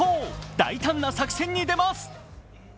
大胆な作戦に出ます。